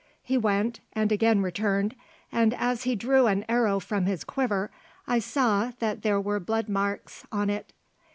He went and again returned, and as he drew an arrow from his quiver, I saw that there were blood marks on it.